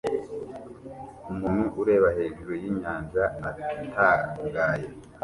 Umuntu ureba hejuru yinyanja atangaye